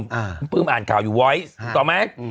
คุณปื้มอ่านกล่าวอยู่ไว้ถูกตอบไหม